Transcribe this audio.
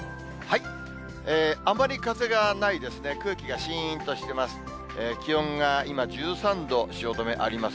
あまり風がないですね、空気がしーんとしてます。